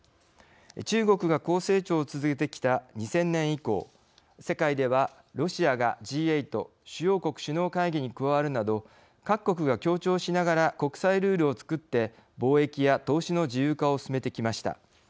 中国が高成長を続けてきた２０００年以降、世界ではロシアがＧ８＝主要国首脳会議に加わるなど各国が協調しながら国際ルールをつくって貿易や投資の自由化を進めてきました。